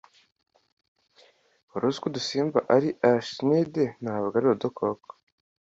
wari uziko udusimba ari arachnide ntabwo ari udukoko